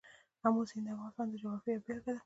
آمو سیند د افغانستان د جغرافیې یوه بېلګه ده.